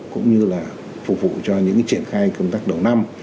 cũng như là phục vụ cho những triển khai công tác đầu năm